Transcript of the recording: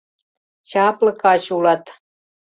Чапле каче улат.